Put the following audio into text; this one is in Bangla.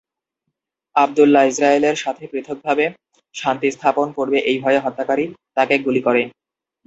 আবদুল্লাহ ইসরায়েলের সাথে পৃথকভাবে শান্তি স্থাপন করবে এই ভয়ে হত্যাকারী তাকে গুলি করে।